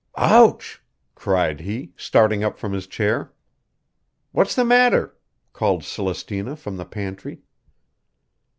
"Ouch!" cried he, starting up from his chair. "What's the matter?" called Celestina from the pantry.